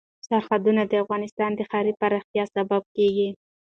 سرحدونه د افغانستان د ښاري پراختیا سبب کېږي.